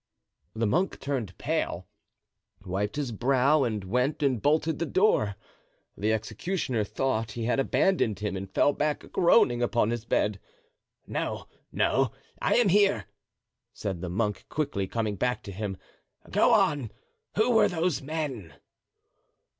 The monk turned pale, wiped his brow and went and bolted the door. The executioner thought that he had abandoned him and fell back, groaning, upon his bed. "No, no; I am here," said the monk, quickly coming back to him. "Go on; who were those men?"